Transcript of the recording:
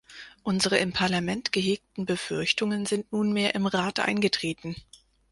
Unsere im Parlament gehegten Befürchtungen sind nunmehr im Rat eingetreten.